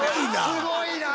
すごいな！